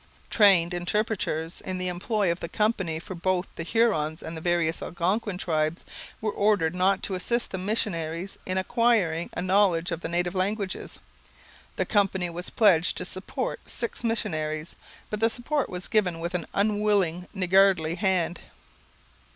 Trained interpreters in the employ of the company for both the Hurons and the various Algonquin tribes were ordered not to assist the missionaries in acquiring a knowledge of the native languages. The company was pledged to support six missionaries, but the support was given with an unwilling, niggardly hand.